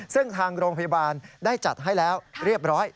ซึ่งทางโรงพยาบาลได้จัดให้แล้วเรียบร้อย